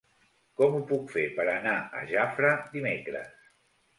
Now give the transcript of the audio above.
Com ho puc fer per anar a Jafre dimecres?